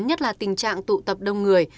nhất là tình trạng tụ tập đông người